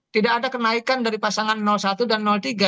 tidak ada kenaikan dari pasangan satu dan tiga